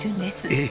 ええ？